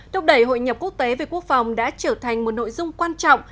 thúc đẩy hội nhập quốc tế về quốc phòng đã trở thành một nội dung quan trọng